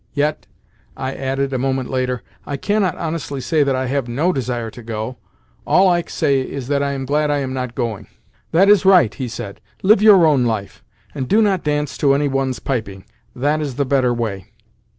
Yet," I added a moment later, "I cannot honestly say that I have NO desire to go. All I say is that I am glad I am not going." "That is right," he said. "Live your own life, and do not dance to any one's piping. That is the better way."